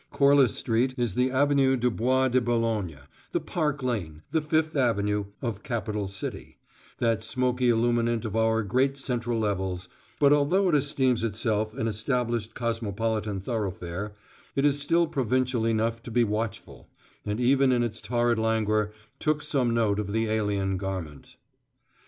Corliss Street is the Avenue du Bois de Boulogne, the Park Lane, the Fifth Avenue, of Capitol City, that smoky illuminant of our great central levels, but although it esteems itself an established cosmopolitan thoroughfare, it is still provincial enough to be watchful; and even in its torrid languor took some note of the alien garment.